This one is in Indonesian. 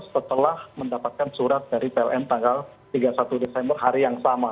setelah mendapatkan surat dari pln tanggal tiga puluh satu desember hari yang sama